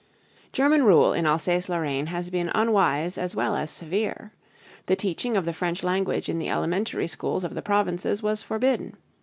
[Illustration: ALSACE LORRAINE] German rule in Alsace Lorraine has been unwise as well as severe. The teaching of the French language in the elementary schools of the provinces was forbidden.